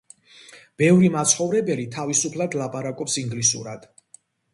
ბევრი მაცხოვრებელი თავისუფლად ლაპარაკობს ინგლისურად.